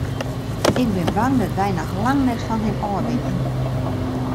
Ik bin bang dat wy noch lang net fan him ôf binne.